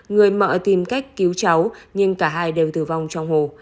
người mẹ tìm cách cứu cháu nhưng cả hai đều tử vong trong hồ